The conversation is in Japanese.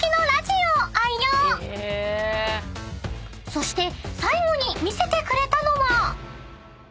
［そして最後に見せてくれたのは］